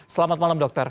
selamat malam dokter